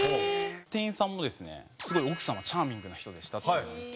店員さんもですね「すごい奥様チャーミングな人でした」と言って。